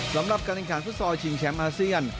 สำหรับการแข่งขันฟุตซอลชิงแชมป์อาเซียน